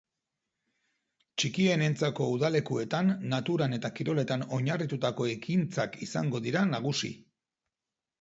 Txikienentzako udalekuetan naturan eta kiroletan oinarritutako ekintzak izango dira nagusi.